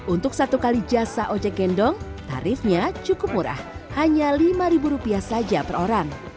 untuk satu kali jasa ojek gendong tarifnya cukup murah hanya lima rupiah saja per orang